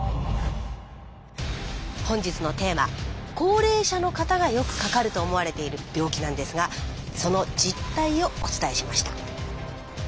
本日のテーマ高齢者の方がよくかかると思われている病気なんですがその実態をお伝えしました。